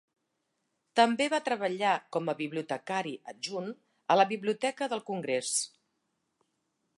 També va treballar com a bibliotecari adjunt a la Biblioteca del Congrés.